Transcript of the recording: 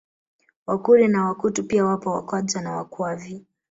Wakuria na Wakutu pia wapo Wakwadza na Wakwavi